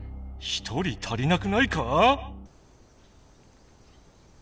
１人足りなくないか？